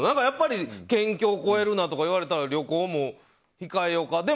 やっぱり県境を越えるなとか言われたら旅行も控えようか。